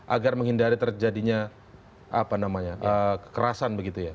agar menghindari terjadinya kekerasan begitu ya